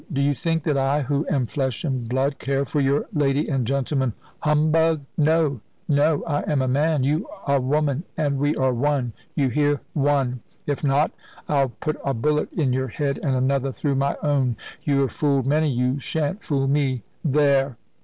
Do you think that I, who am flesh and blood, care for your lady and gentleman humbug? No, no! I am a man, you a woman, and we are one; you hear one. If not, I'll put a bullet in your head and another through my own. You have fooled many, you shan't fool me. There!"